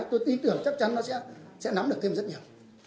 tôi tin tưởng chắc chắn nó sẽ nắm được thêm rất nhiều